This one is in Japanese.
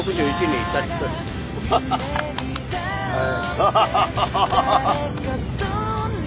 ワハハハハ。